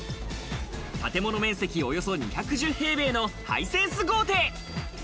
建物面積およそ２１０平米のハイセンス豪邸。